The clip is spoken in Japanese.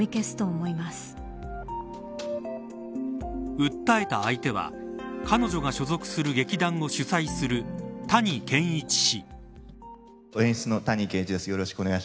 訴えた相手は彼女が所属する劇団の主宰する谷賢一氏。